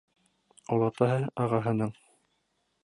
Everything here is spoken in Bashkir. Олатаһы, ағаһының